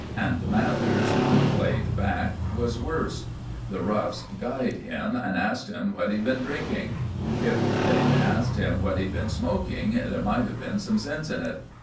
And Mathers, who played back, was worse. The roughs "guyed" him, and asked him what he'd been drinking. If they'd asked him what he'd been smoking there might have been some sense in it.